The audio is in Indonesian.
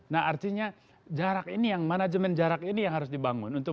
nah artinya jarak ini yang manajemen jarak ini yang harus dibangun